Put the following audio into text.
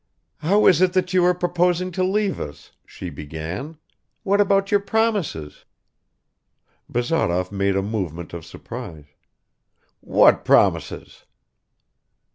"How is it that you are proposing to leave us," she began; "what about your promises?" Bazarov made a movement of surprise. "What promises?"